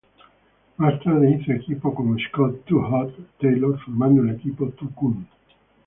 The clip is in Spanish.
Más tarde hizo equipo con Scott "Too Hot" Taylor formando el equipo Too Cool.